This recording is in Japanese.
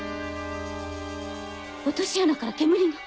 落とし穴から煙が！